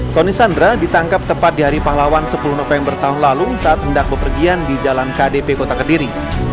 soni sandra ditangkap tepat di hari pahlawan sepuluh november tahun lalu saat hendak bepergian di jalan kdp kota kediri